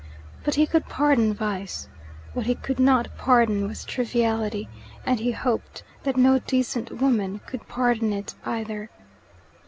But he could pardon vice. What he could not pardon was triviality, and he hoped that no decent woman could pardon it either.